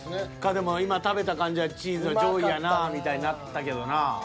でも今食べた感じはチーズは上位やなみたいになったけどな。